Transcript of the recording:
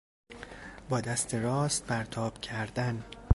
با دست راست پرتاب کردن